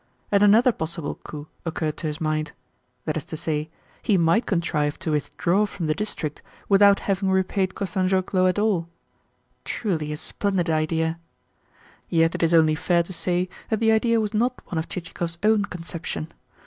And another possible coup occurred to his mind. That is to say, he might contrive to withdraw from the district without having repaid Kostanzhoglo at all! Truly a splendid idea! Yet it is only fair to say that the idea was not one of Chichikov's own conception.